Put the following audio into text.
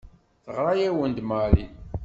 Teɣra-awen-d Mary.